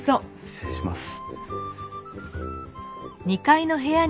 失礼します。